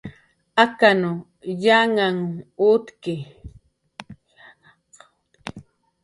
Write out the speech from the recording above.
ukanw yanhanhq utki